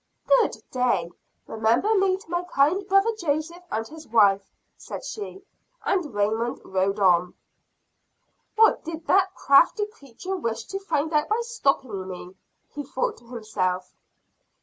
"Good day; remember me to my kind brother Joseph and his wife," said she, and Raymond rode on. "What did that crafty creature wish to find out by stopping me?" he thought to himself.